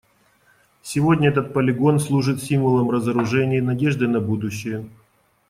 Сегодня этот полигон служит символом разоружения и надежды на будущее.